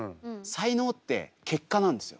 才能って結果なんですよ。